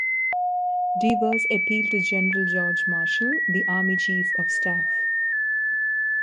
Devers appealed to General George Marshall, the Army Chief of Staff.